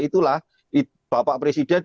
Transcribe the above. partai itulah bapak presiden